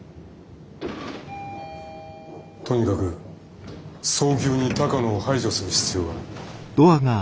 とにかく早急に鷹野を排除する必要が。